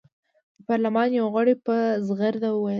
د پارلمان یوه غړي په زغرده وویل.